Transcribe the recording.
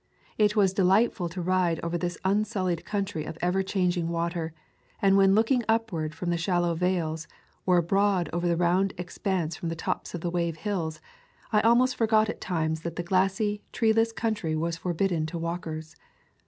It was delightful to ride over this unsullied coun try of ever changing water, and when looking upward from the shallow vales, or abroad over the round expanse from the tops of the wave hills, I almost forgot at times that the glassy, treeless country was forbidden to walkers.